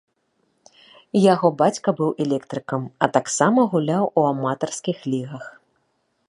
Яго бацька быў электрыкам, а таксама гуляў у аматарскіх лігах.